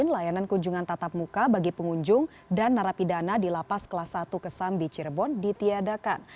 layanan kunjungan tatap muka bagi pengunjung dan narapidana di lapas kelas satu kesambi cirebon ditiadakan